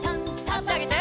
あしあげて。